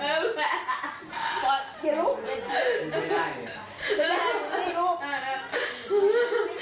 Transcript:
อยู่ก็อยู่ก็ลงหยุดก็ลง